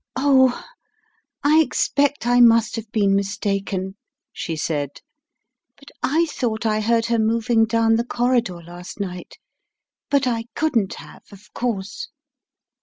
"Oh, I expect I must have been mistaken/ 9 she said, "but I thought I heard her moving down the corridor last night. But I couldn't have, of course."